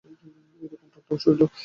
এ-রকম ঠাট্টা অসহ্য।